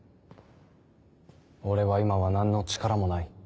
俺は今は何の力もない。